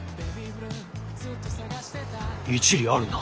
一理あるな。